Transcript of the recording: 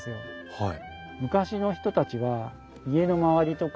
はい。